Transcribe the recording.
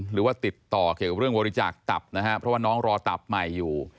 หรือว่าติดต่อเกี่ยวกับเรื่องบริจาคตับนะฮะเพราะว่าน้องรอตับใหม่อยู่